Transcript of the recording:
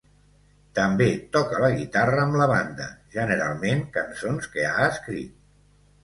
També toca la guitarra amb la banda, generalment cançons que ha escrit.